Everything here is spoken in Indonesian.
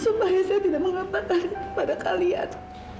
sumpahnya saya tidak mengatakan itu pada kalian